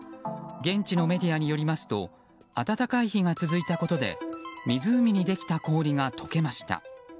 現地のメディアによりますと暖かい日が続いたことで湖にできた氷が溶けました。